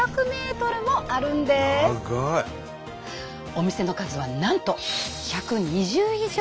お店の数はなんと１２０以上！